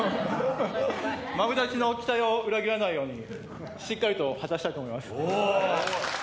マブダチの期待を裏切らないようしっかりと果たしたいと思います。